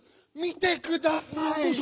見てください！